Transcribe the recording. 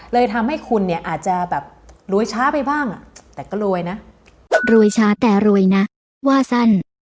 เลยทำให้คุณเนี่ยอาจจะแบบรวยช้าไปบ้างแต่ก็รวยนะ